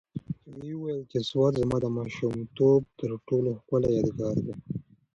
هغې وویل چې سوات زما د ماشومتوب تر ټولو ښکلی یادګار دی.